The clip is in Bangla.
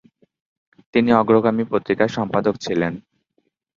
তিনি অগ্রগামী পত্রিকার সম্পাদক ছিলেন।